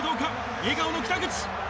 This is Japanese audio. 笑顔の北口。